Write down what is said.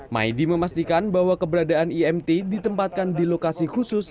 maidi memastikan bahwa keberadaan imt ditempatkan di lokasi khusus